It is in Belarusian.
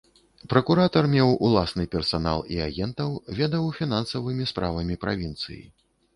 Пракуратар меў уласны персанал і агентаў, ведаў фінансавымі справамі правінцыі.